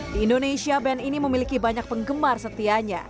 di indonesia band ini memiliki banyak penggemar setianya